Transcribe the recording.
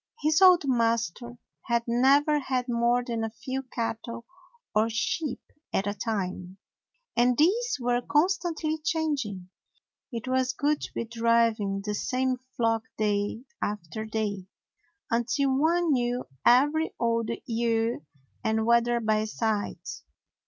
His old master had never had more than a few cattle or sheep at a time, and these were constantly changing. It was good to be driving the same flock day after day, until one knew every old ewe and wether by sight.